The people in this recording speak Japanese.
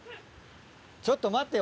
ちょっと待ってよ